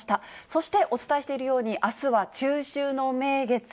そして、お伝えしているように、あすは中秋の名月。